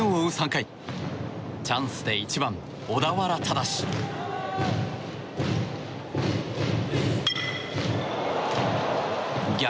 ３回チャンスで１番、小田原義。